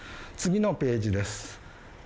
次のページです。